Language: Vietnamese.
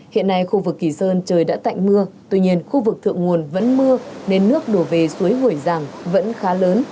hiện nay khu vực kỳ sơn trời đã tạnh mưa tuy nhiên khu vực thượng nguồn vẫn mưa nên nước đổ về suối hủy giảng vẫn khá lớn